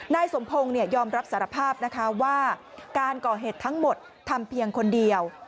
นายสมพงศ์ยอมรับสารภาพนะคะว่าการก่อเหตุทั้งหมดทำเพียงคนเดียว